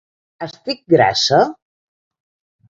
Estic grassa?